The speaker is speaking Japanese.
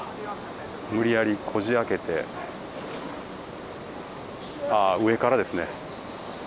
無理やりこじ開けて上からですね。